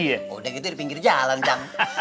udah gitu di pinggir jalan